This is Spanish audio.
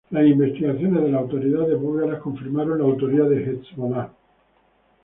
Las investigaciones de las autoridades búlgaras confirmaron la autoría de Hezbolá.